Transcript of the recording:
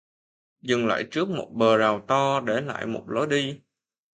Dừng lại trước một bờ rào to để lại một lối đi